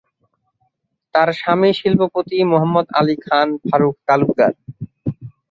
তার স্বামী শিল্পপতি মোহাম্মদ আলী খান ফারুক তালুকদার।